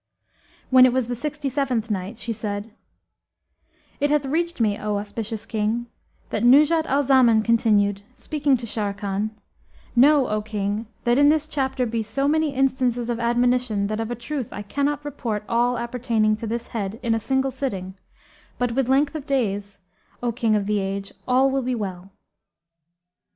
When it was the Sixty seventh Night, She said, It hath reached me, O auspicious King, that Nuzhat al Zaman continued, speaking to Sharrkan, "Know, O King, that in this chapter be so many instances of admonition that of a truth I cannot report all appertaining to this head in a single sitting but, with length of days, O King of the age, all will be well."